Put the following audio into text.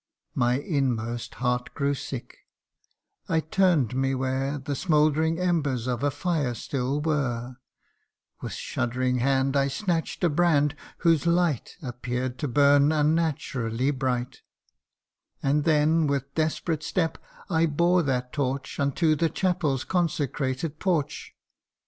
My inmost heart grew sick I turn'd me where The smouldering embers of a fire still were ; With shuddering hand I snatch'd a brand whose light Appear'd to bum unnaturally bright ; And then with desperate step I bore that torch Unto the chapel's consecrated porch